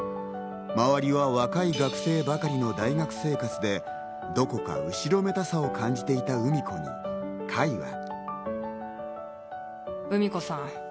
周りは若い学生ばかりの大学生活で、どこか後ろめたさを感じていたうみ子に海は。